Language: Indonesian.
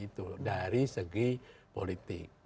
itu dari segi politik